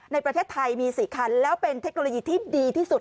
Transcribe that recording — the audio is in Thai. ในประเทศไทยมี๔คันแล้วเป็นเทคโนโลยีที่ดีที่สุด